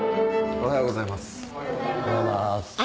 おはようございます。